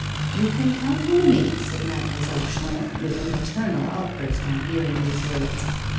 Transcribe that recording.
"You can count on me," said Mademoiselle Chuin, with a maternal outburst on hearing these words.